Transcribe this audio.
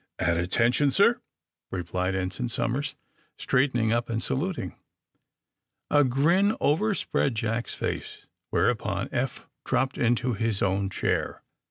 *^At attention, sir!" replied Ensign Somers, straightening up and saluting. A grin overspread Jack's face, whereupon Eph dropped into his own chair.